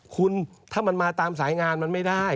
คุณถ้ามันมาตามสายงานมันไม่ได้